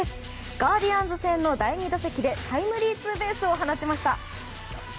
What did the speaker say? ガーディアンズ戦の第２打席でタイムリーツーベースを放ちました。